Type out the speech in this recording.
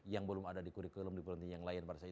yang belum ada di kurikulum di penelitian yang lain